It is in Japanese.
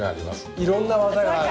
いろんな技がある。